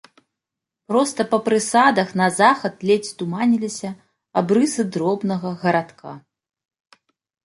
Проста па прысадах на захад ледзь туманіліся абрысы дробнага гарадка.